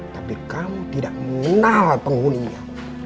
tapi kamu tidak mengenal penghuninya